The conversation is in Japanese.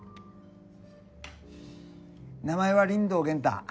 名前は竜胆源太。